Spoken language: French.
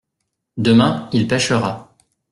Demain il pêchera.